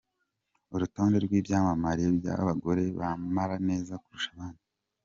Urutonde rw’ibyamamare by’abagore bambara neza kurusha abandi